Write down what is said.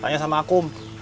tanya sama aku